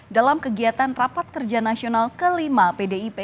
dalam kegiatan rapat kerja nasional ke lima pdip